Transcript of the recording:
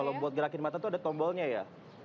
kalau buat gerakin mata tuh ada tombolnya ya